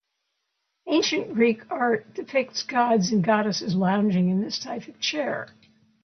Ancient Greek art depicts gods and goddesses lounging in this type of chair.